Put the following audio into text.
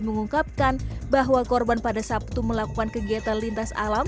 mengungkapkan bahwa korban pada sabtu melakukan kegiatan lintas alam